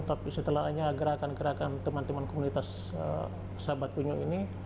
tapi setelahnya gerakan gerakan teman teman komunitas sahabat penyu ini